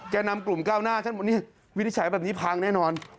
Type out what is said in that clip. แกนำกลุ่มก้าวหน้าฉันบอกวินิฉัยแบบนี้พังแน่นอน